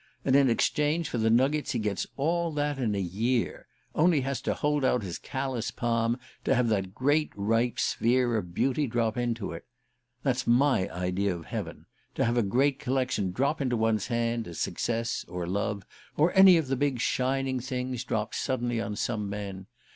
And in exchange for the nuggets he gets all that in a year only has to hold out his callous palm to have that great ripe sphere of beauty drop into it! That's my idea of heaven to have a great collection drop into one's hand, as success, or love, or any of the big shining things, drop suddenly on some men.